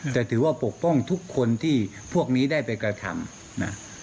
แต่ถือว่าปกป้องทุกคนที่พวกนี้ได้ไปกระทำนะ